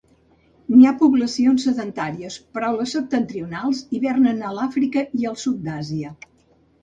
N'hi ha poblacions sedentàries però les septentrionals hivernen a l'Àfrica i al sud d'Àsia.